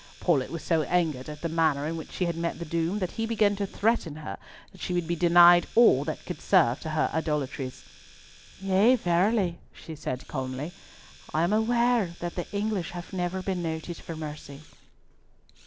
Paulett was so angered at the manner in which she had met the doom, that he began to threaten her that she would be denied all that could serve to her idolatries. "Yea, verily," said she calmly, "I am aware that the English have never been noted for mercy."